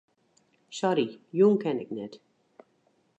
Sorry, jûn kin ik net.